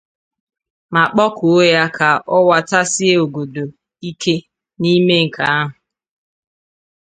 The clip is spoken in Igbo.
ma kpọkuo ya ka ọ watasie ọgọdọ ike n'ime nke ahụ.